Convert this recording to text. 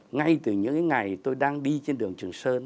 ngay từ những ngày tôi đang đi trên đường trường sơn